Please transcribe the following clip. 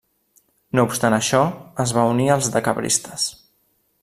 No obstant això, es va unir als decabristes.